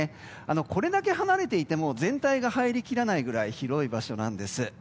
これだけ離れていても全体が入りきらないぐらい広い場所なんです。